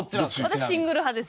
私シングル派です。